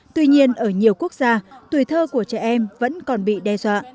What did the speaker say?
tuy nhiên ở nhiều quốc gia tuổi thơ của trẻ em vẫn còn bị đe dọa